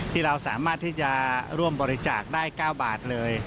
ที่เราสามารถที่จะร่วมบริจาคได้๙บาทเลย